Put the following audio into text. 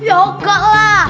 ya nggak lah